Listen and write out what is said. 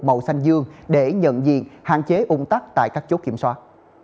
màu xanh dương để nhận diện hạn chế ung tắc tại các chốt kiểm soát